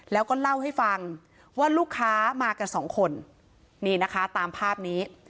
แล้วก็เล่าให้ฟังว่าลูกค้ามากันสองคนนี่นะคะตามภาพนี้